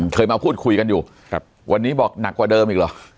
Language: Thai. เคยมาพูดคุยกันอยู่ครับวันนี้บอกหนักกว่าเดิมอีกเหรอ